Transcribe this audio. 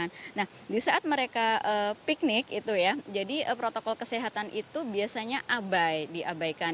nah di saat mereka piknik itu ya jadi protokol kesehatan itu biasanya abai diabaikan